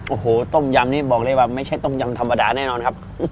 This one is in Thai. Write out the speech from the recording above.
โอ้โหต้มยำนี้บอกเลยว่าไม่ใช่ต้มยำธรรมดาแน่นอนครับ